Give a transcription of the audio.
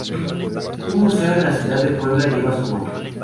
Un museo en la ciudad de Puebla lleva su nombre.